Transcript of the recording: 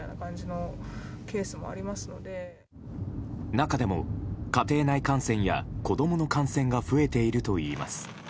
中でも家庭内感染や子供の感染が増えているといいます。